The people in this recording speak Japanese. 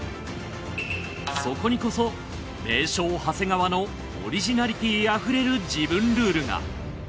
そこにこそ名将長谷川のオリジナリティあふれる自分ルールが。